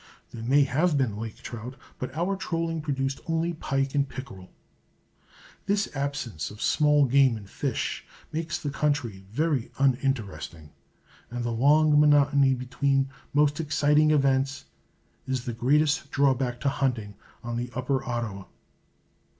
There may have been lake trout, but our trolling produced only pike and pickerel. This absence of small game and fish makes the country very uninteresting, and the long monotony between most exciting events is the greatest drawback to hunting on the Upper Ottawa.